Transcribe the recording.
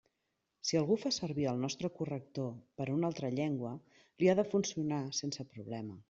Si algú fa servir el nostre corrector per a una altra llengua, li ha de funcionar sense problema.